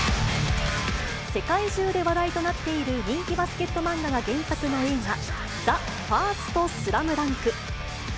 世界中で話題となっている人気バスケット漫画が原作の映画、ＴＨＥＦＩＲＳＴＳＬＡＭＤＵＮＫ。